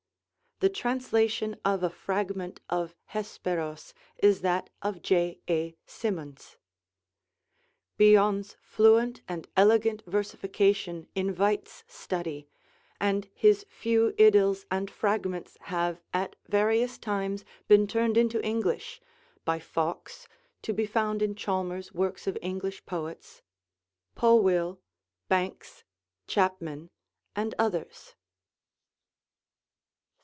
The translation of a fragment of 'Hesperos' is that of J.A. Symonds. Bion's fluent and elegant versification invites study, and his few idyls and fragments have at various times been turned into English by Fawkes (to be found in Chalmers's 'Works of English Poets'), Polwhele, Banks, Chapman, and others.